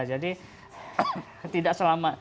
jadi tidak selama